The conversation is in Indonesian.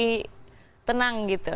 lebih tenang gitu